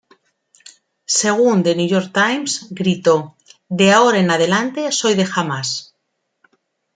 Según The New York Times gritó: "De ahora en adelante soy de Hamás!